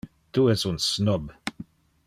Tu es un snob.